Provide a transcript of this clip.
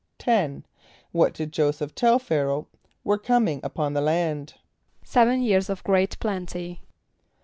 = =10.= What did J[=o]´[s+]eph tell Ph[=a]´ra[=o]h were coming upon the land? =Seven years of great plenty.